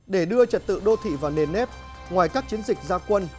để đưa trật tự đô thị vào nền nếp ngoài các chiến dịch gia quân